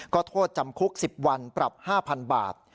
ก็โทษจำคุก๑๐วันปรับ๕๐๐๐บาท